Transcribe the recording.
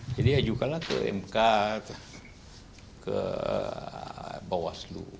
ajukanlah ke mk ke bawaslu